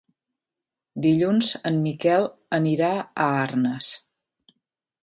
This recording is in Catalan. Dilluns en Miquel anirà a Arnes.